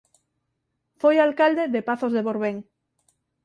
Foi alcalde de Pazos de Borbén.